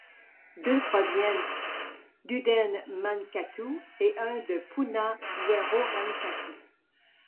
Deux proviennent d'Uudenmaankatu et un de Punavuorenkatu.